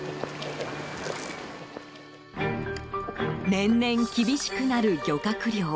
年々、厳しくなる漁獲量。